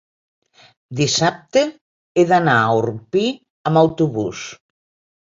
dissabte he d'anar a Orpí amb autobús.